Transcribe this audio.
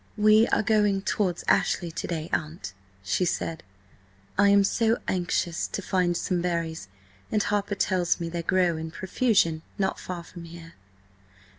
"We are going towards Ashley to day, aunt," she said. "I am so anxious to find some berries, and Harper tells me they grow in profusion not far from here."